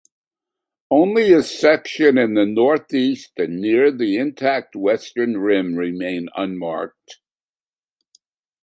Only a section in the northeast and near the intact western rim remain unmarked.